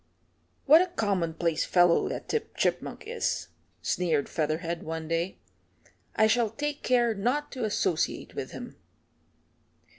"What a commonplace fellow that Tip Chipmunk is," sneered Featherhead one day. "I shall take care not to associate with him."